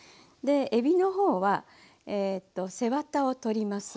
えびの方は背ワタを取ります。